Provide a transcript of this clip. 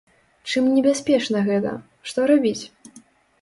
Чым небяспечна гэта, што рабіць?